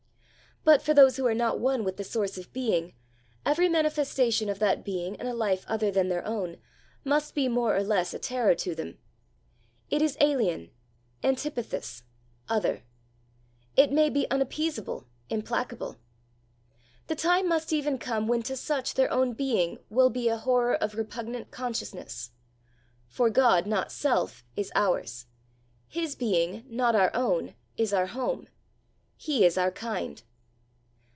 But for those who are not one with the source of being, every manifestation of that being in a life other than their own, must be more or less a terror to them; it is alien, antipathous, other, it may be unappeasable, implacable. The time must even come when to such their own being will be a horror of repugnant consciousness; for God not self is ours his being, not our own, is our home; he is our kind.